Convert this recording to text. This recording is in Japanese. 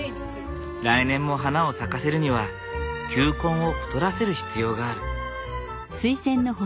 来年も花を咲かせるには球根を太らせる必要がある。